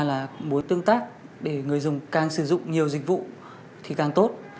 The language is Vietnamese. là mối tương tác để người dùng càng sử dụng nhiều dịch vụ thì càng tốt